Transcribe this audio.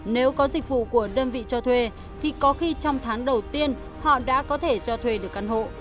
nếu có dịch vụ của đơn vị cho thuê thì có khi trong tháng đầu tiên họ đã có thể cho thuê được căn hộ